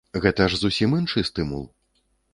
Гэта ж зусім іншы стымул.